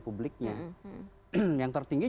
publiknya yang tertinggi